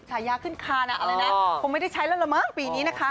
ฉายาขึ้นคานอะไรนะคงไม่ได้ใช้แล้วละมั้งปีนี้นะคะ